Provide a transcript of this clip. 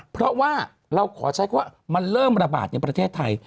เพราะว่าเราขอใช้คำว่ามันเริ่มระบาดในประเทศไทย